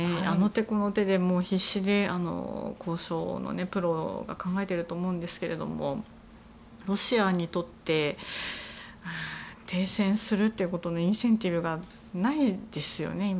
あの手この手で必死で交渉のプロが考えていると思うんですがロシアにとって停戦するということのインセンティブがないですよね